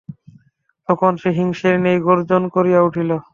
তখন সে সিংহের ন্যায় গর্জন করিয়া উঠিল।